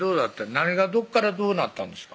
何がどこからどうなったんですか？